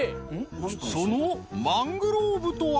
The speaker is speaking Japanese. そのマングローブとは？